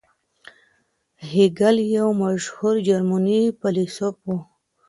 هیګل یو مشهور جرمني فیلسوف و.